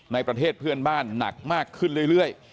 ในประเทศเพื่อนบ้านหนักมากขึ้นเรื่อย